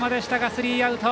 スリーアウト。